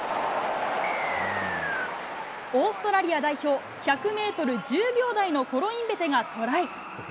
オーストラリア代表、１００メートル１０秒台のコロインベテがトライ。